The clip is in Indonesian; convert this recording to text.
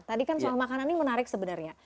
tadi kan soal makanan ini menarik sebenarnya